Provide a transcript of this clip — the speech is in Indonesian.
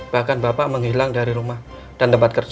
bahkan bapak menghilang dari rumah dan tempat kerja